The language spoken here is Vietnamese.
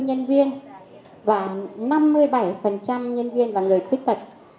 và năm mươi bảy nhân viên là người khuyết tật